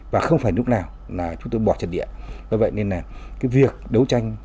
và không phải lúc nào là chúng tôi bỏ trật địa vì vậy nên là cái việc đấu tranh